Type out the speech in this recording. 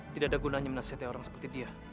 tidak ada gunanya menasihati orang seperti dia